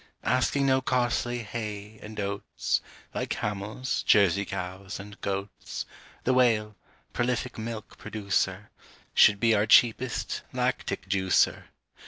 Asking no costly hay and oats, Like camels, Jersey cows, and goats, The Whale, prolific milk producer, Should be our cheapest lactic juicer.